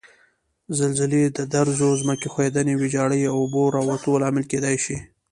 زلزلې د درزو، ځمکې ښویدنې، ویجاړي او اوبو راوتو لامل کېدای شي.